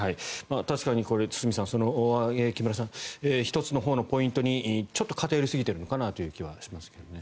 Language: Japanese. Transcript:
確かに、木村さん１つのほうのポイントにちょっと偏りすぎているのかなという気はしますが。